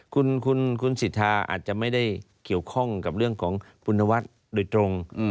คุณสิทธาอาจจะไม่ได้เกี่ยวข้องกับเรื่องของคุณนวัฒน์โดยตรง